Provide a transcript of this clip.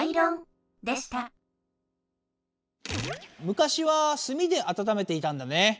むかしは炭であたためていたんだね。